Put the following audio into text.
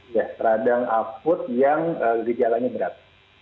iya radang aput yang kegiatannya berat